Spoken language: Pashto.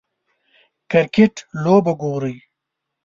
کریکټ لوبه ګورئ